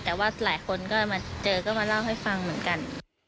แต่ว่าหลายคนก็มาเจอก็มาเล่าให้ฟังเหมือนกัน